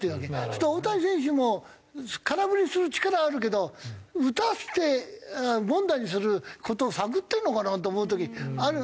すると大谷選手も空振りする力はあるけど打たせて凡打にする事を探ってるのかなと思う時ある。